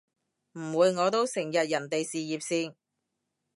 唔會，我都成日人哋事業線